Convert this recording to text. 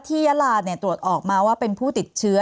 ยาลาตรวจออกมาว่าเป็นผู้ติดเชื้อ